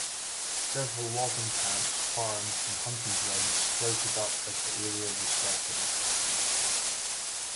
Several logging camps, farms, and hunting grounds sprouted up as the area was settled.